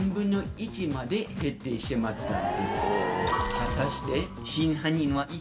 果たして。